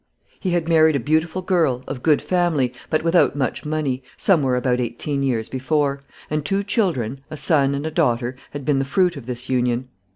He had married a beautiful girl, of good family, but without much money, somewhere about eighteen years before; and two children, a son and a daughter, had been the fruit of this union.